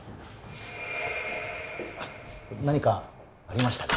何かありましたか？